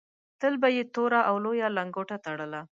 تل به یې توره او لویه لنګوټه تړله.